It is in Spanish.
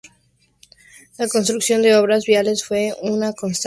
La construcción de obras viales fue una constante.